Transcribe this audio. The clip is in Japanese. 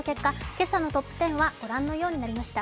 今朝のトップ１０はご覧のようになりました。